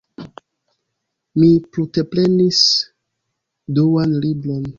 Mi prunteprenis duan libron.